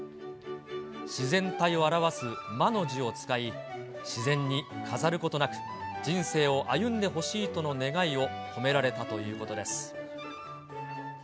自然体を表す眞の字を使い、自然に飾ることなく、人生を歩んでほしいとの願いを込められたということです。